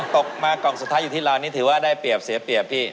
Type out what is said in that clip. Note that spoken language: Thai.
ตกมากล่องสุดท้ายอยู่ที่ร้านนี้ถือว่าได้เปรียบเสียเปรียบพี่